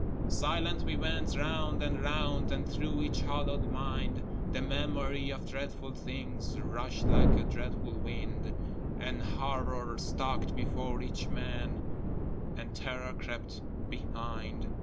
Silently we went round and round, And through each hollow mind The memory of dreadful things Rushed like a dreadful wind, An Horror stalked before each man, And terror crept behind.